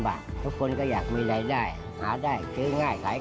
บางครั้งคิดว่ามีอะไรแล้วมีเชือกเส้นเดียว